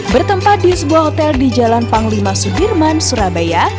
bertempat di sebuah hotel di jalan panglima sudirman surabaya